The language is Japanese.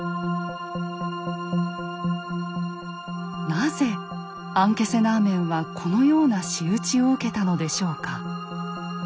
なぜアンケセナーメンはこのような仕打ちを受けたのでしょうか？